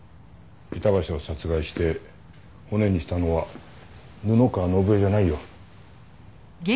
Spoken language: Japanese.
板橋を殺害して骨にしたのは布川伸恵じゃないよ。